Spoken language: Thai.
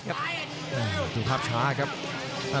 กำปั้นขวาสายวัดระยะไปเรื่อย